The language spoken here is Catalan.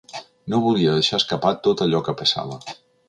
No volia deixar escapar tot allò que passava.